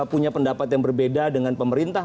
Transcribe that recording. punya pendapat yang berbeda dengan pemerintah